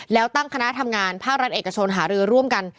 แล้วตั้งคณะทำงานภาครัฐเอกชนหารือร่วมกัน